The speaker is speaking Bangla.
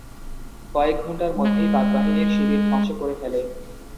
কয়েক ঘণ্টার মধ্যেই পাক বাহিনীর শিবির ধ্বংস করে ফেলে।